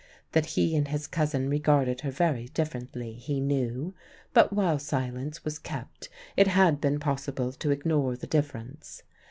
That he and his cousin regarded her very differently he knew; but while silence was kept it had been possible to ignore the difference.